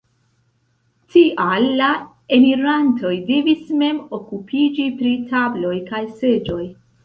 Tial la enirantoj devis mem okupiĝi pri tabloj kaj seĝoj.